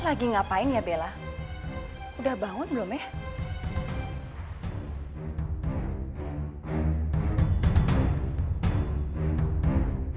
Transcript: lagi ngapain ya bella udah bangun belum ya